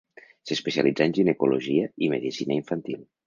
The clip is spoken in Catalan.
S'especialitzà en ginecologia i medicina infantil.